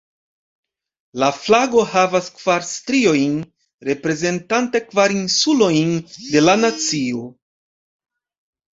La flago havas kvar striojn, reprezentante kvar insulojn de la nacio.